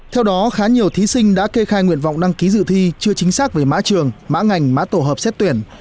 theo đó khá nhiều thí sinh đã kê khai nguyện vọng đăng ký dự thi chưa chính xác về mã trường mã ngành mã tổ hợp xét tuyển